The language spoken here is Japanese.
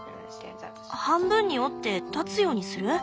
半分に折って立つようにする？